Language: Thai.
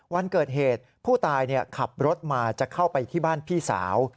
วันเกิดเหตุผู้ตายขับรถมาจะเข้าไปที่บ้านพี่สาว